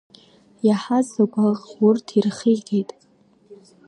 Иаҳаз агәаӷ урҭ ирхигеит.